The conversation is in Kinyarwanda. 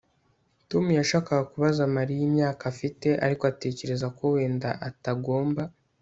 Tom yashakaga kubaza Mariya imyaka afite ariko atekereza ko wenda atagomba